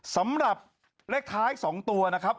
สำหรับเลขท้าย๒ตัวนะครับ